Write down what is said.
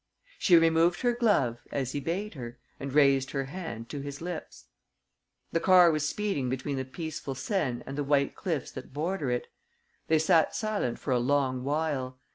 She removed her glove, as he bade her, and raised her hand to his lips. The car was speeding between the peaceful Seine and the white cliffs that border it. They sat silent for a long while.